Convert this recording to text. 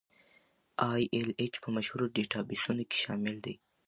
ای ایل ایچ په مشهورو ډیټابیسونو کې شامل دی.